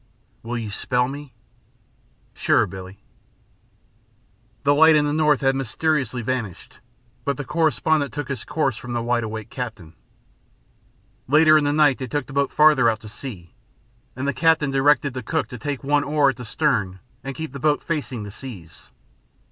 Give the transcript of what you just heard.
"Will you spell me?" "Sure, Billie." The light in the north had mysteriously vanished, but the correspondent took his course from the wide awake captain. Later in the night they took the boat farther out to sea, and the captain directed the cook to take one oar at the stern and keep the boat facing the seas.